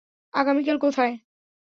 আগামীকাল, কোথায়?